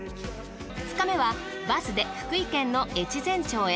２日目はバスで福井県の越前町へ。